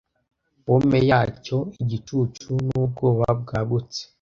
pome yacyo igicucu nubwoba bwagutse